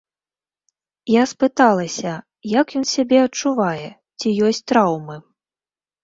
Я спыталася, як ён сябе адчувае, ці ёсць траўмы.